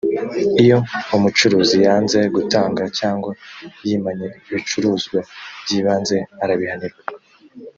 iyo umucuruzi yanze gutanga cyangwa yimanye ibicuruzwa by’ibanze, arabihanirwa